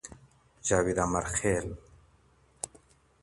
جاويد امېرخېل